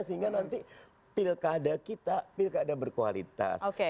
sehingga nanti pilkada kita pilkada berkualitas